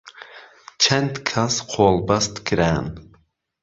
چەند کەس قۆڵبەست کران